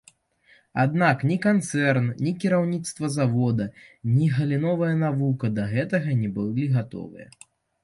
Аднак ні канцэрн, ні кіраўніцтва завода, ні галіновая навука да гэтага не былі гатовыя.